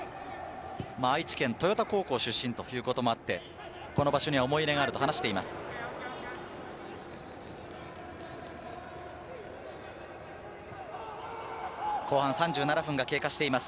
愛知県、豊田高校出身ということもあって、この場所には思い入れがあると話しています。